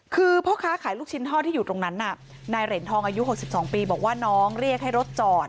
คือพ่อค้าขายลูกชิ้นทอดที่อยู่ตรงนั้นน่ะนายเหรียญทองอายุ๖๒ปีบอกว่าน้องเรียกให้รถจอด